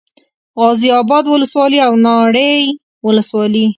غازي اباد ولسوالي او ناړۍ ولسوالي